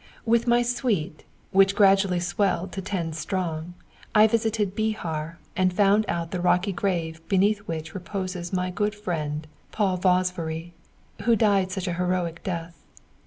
With my suite, which gradually swelled into ten strong, I visited Bihar, and found out the rocky grave beneath which reposes my good friend Paul Vasváry, who died such a heroic death.